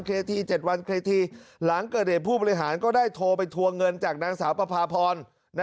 ที๗วันเคลียร์ทีหลังเกิดเหตุผู้บริหารก็ได้โทรไปทวงเงินจากนางสาวประพาพร